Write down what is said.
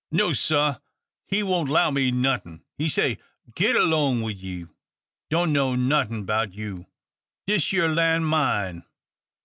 "No, sah: he won't 'low me not'ing. He say, 'Get along wid you! don't know not'ing 'bout you! dis yer land mine.'